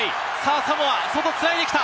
サモア、外、繋いできた。